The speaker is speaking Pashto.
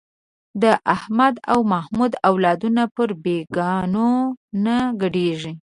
د احمد او محمود اولادونه پر بېګانو نه ګډېږي.